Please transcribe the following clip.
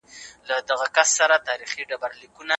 د تولیدي سکتور پراختیا د بیکارۍ کچه راټیټوي.